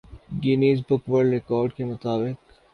Guinness book world record کے مطابق